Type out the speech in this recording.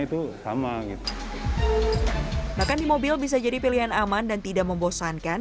itu sama gitu makan di mobil bisa jadi pilihan aman dan tidak membosankan